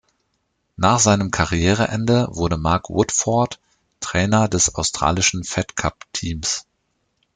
Nach seinem Karriereende wurde Mark Woodforde Trainer des australischen Fed-Cup-Teams.